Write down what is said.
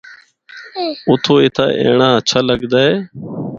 اُتھو اِتھا اینڑا ہچھا لگدا اے۔